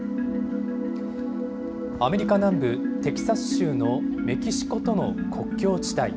アメリカ南部テキサス州のメキシコとの国境地帯。